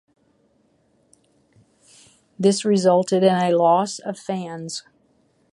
This resulted in a loss of fans.